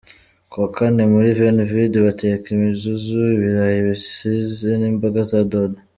Ku wa Kane muri Veni Vidi bateka imizuzu, ibirayi bisize n’imboga za dodo;.